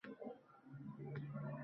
Fursat to’xtab qoldi